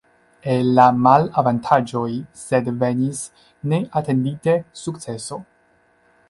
El la malavantaĝoj sed venis neatendite sukceso.